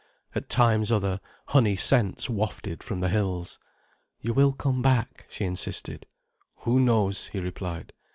At times other, honey scents wafted from the hills. "You will come back?" she insisted. "Who knows?" he replied.